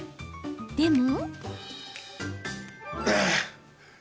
でも。